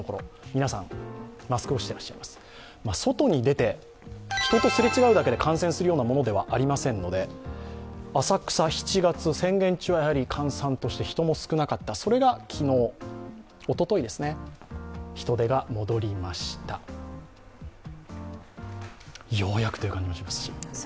皆さん、マスクをしてらっしゃいます、外に出て人とすれ違うだけで感染するようなものではございませんので浅草７月、宣言中は閑散として人も少なかったそれがおととい、人出が戻りましたようやくという感じもします。